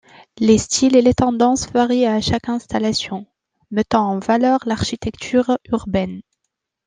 Les styles et les tendances varient à chaque installation, mettant en valeur l'architecture urbaine.